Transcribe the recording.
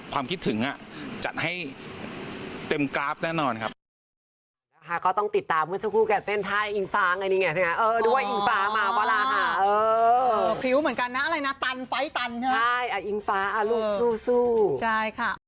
ความคิดถึงจัดให้เต็มกราฟแน่นอนครับ